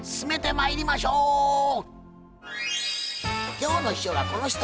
今日の秘書はこの人。